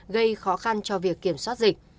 gây khó khăn cho việc kiểm soát dịch